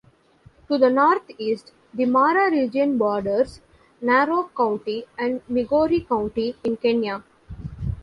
To the northeast, the Mara Region borders Narok County and Migori County in Kenya.